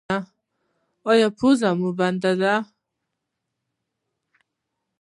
ایا پوزه مو بنده ده؟